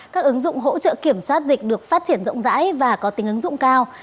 các ứng dụng hỗ trợ kiểm soát dịch được phát triển rộng rãi và có tính ứng dụng cao